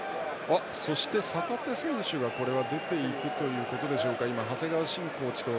そして、坂手選手が出ていくということでしょうか。